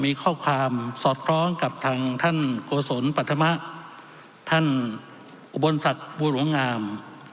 มีข้อความสอดคล้องกับทางท่านโกศลปัธมะท่านอุบลศักดิ์บัวหลวงงาม